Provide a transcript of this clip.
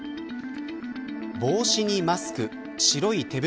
帽子にマスク、白い手袋